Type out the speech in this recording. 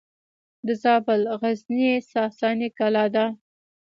د زابل غزنیې ساساني کلا ده